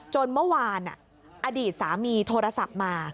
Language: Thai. เมื่อวานอดีตสามีโทรศัพท์มา